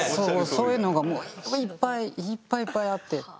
そういうのがもういっぱいいっぱいいっぱいあって。